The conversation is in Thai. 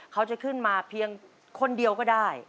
เขาจะขึ้นมาเพียงคนเดียวก็ได้